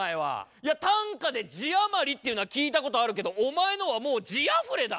いや短歌で「字余り」っていうのは聞いたことあるけどお前のはもう「字あふれ」だ。